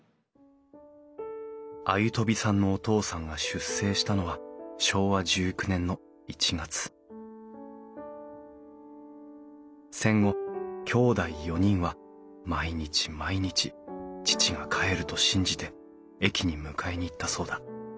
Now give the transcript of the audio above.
鮎飛さんのお父さんが出征したのは昭和１９年の１月戦後きょうだい４人は毎日毎日父が帰ると信じて駅に迎えに行ったそうだ。